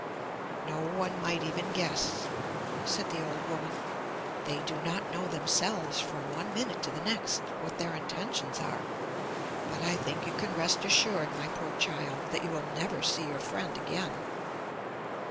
"No one might even guess," said the old woman. "They do not know themselves from one minute to the next what their intentions are, but I think you can rest assured, my poor child, that you will never see your friend again."